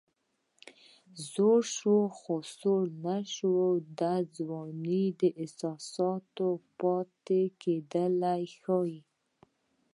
زوړ شو خو سوړ نه شو د ځوانۍ د احساساتو پاتې کېدل ښيي